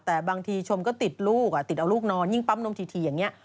แต่บางทีชมก็ติดลูกติดเอาลูกนอนยิ่งปั๊มนมถี่อย่างนี้